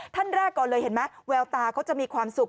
ท่านแรกก่อนเลยเห็นไหมแววตาเขาจะมีความสุข